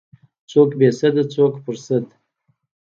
څوک بې سده څوک په سد.